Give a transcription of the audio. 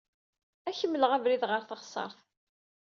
Ad ak-mleɣ abrid ɣer teɣsert.